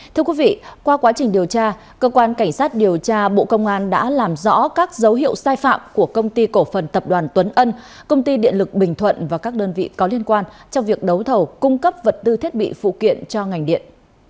thưa quý vị qua quá trình điều tra cơ quan cảnh sát điều tra bộ công an đã làm rõ các dấu hiệu sai phạm của công ty cổ phần tập đoàn tuấn ân công ty điện lực bình thuận và các đơn vị có liên quan trong việc đấu thầu cung cấp vật tư thiết bị phụ kiện cho ngành điện